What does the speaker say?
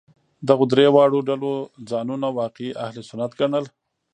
دغو درې واړو ډلو ځانونه واقعي اهل سنت ګڼل.